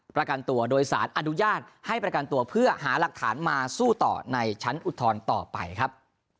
ประกันตัวโดยสารอนุญาตให้ประกันตัวเพื่อหาหลักฐานมาสู้ต่อในชั้นอุทธรณ์ต่อไปครับ